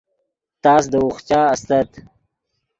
تس دے اوخچا استت